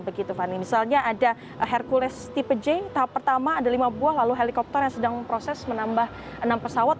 misalnya ada hercules tipe j tahap pertama ada lima buah lalu helikopter yang sedang memproses menambah enam pesawat